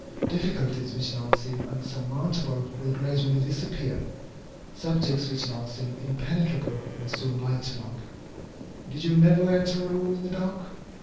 Difficulties which now seem insurmountable, will gradually disappear; subjects which now seem impenetrable, will soon lighten up. Did you never enter a room in the dark?